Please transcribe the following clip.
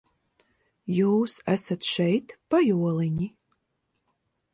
Jūs esat šeit, pajoliņi?